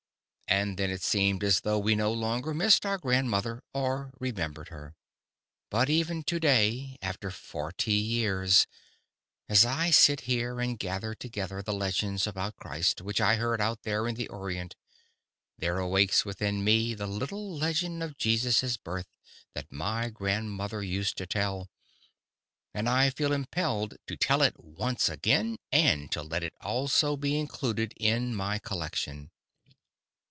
And then it seemed as though we no longer missed our grandmother, or remembered her. But even to day—after forty years—as I sit here and gather together the legends about Christ, which I heard out there in the Orient, there awakes within me the little legend of Jesus' birth that my grandmother used to tell, and I feel impelled to tell it once again, and to let it also be included in my collection.